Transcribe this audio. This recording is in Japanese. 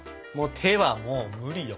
手はもう無理よ。